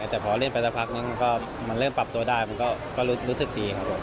แต่พอเล่นไปสักพักนึงก็มันเริ่มปรับตัวได้มันก็รู้สึกดีครับผม